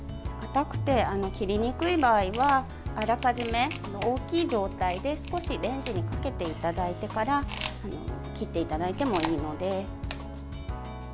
かたくて切りにくい場合はあらかじめ大きい状態で少しレンジにかけていただいてから切っていただいてもいいので。